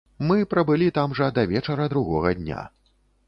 Мы прабылі там жа да вечара другога дня.